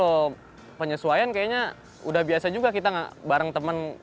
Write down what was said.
kalau penyesuaian kayaknya udah biasa juga kita bareng temen